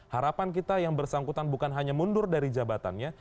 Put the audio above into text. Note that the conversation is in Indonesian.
harapan kita yang bersangkutan bukan hanya mundur dari jabatannya